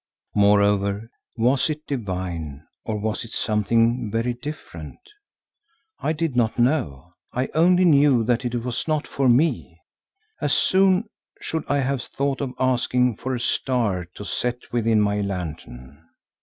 Moreover, was it divine, or was it something very different? I did not know, I only knew that it was not for me; as soon should I have thought of asking for a star to set within my lantern.